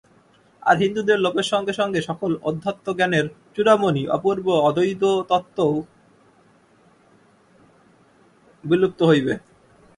আর হিন্দুদের লোপের সঙ্গে সঙ্গে সকল অধ্যাত্মজ্ঞানের চূড়ামণি অপূর্ব অদ্বৈতত্ত্বও বিলুপ্ত হইবে।